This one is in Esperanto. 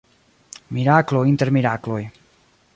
Miraklo inter mirakloj.